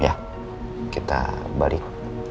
ya kita balik